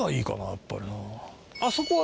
やっぱりな。